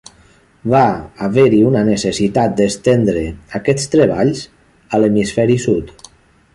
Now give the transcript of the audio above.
Va haver-hi una necessitat d'estendre aquests treballs a l'Hemisferi Sud.